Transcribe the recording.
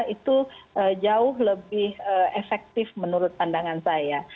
itu jauh lebih efektif menurut pandangan saya